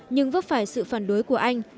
nhưng vấp phải sự phản đối của anh